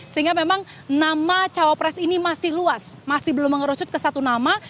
sehingga memang nama cawapres ini masih luas masih belum mengerucut ke satu nama